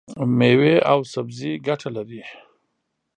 مېوې او سبزي ګټه لري.